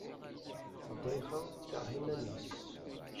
Ddayxa, tekreh iman-is.